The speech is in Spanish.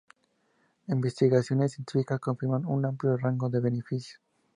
Investigaciones científicas confirman un amplio rango de beneficios.